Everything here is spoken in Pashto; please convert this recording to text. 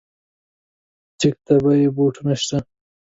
چک ته بې بوټونو شه.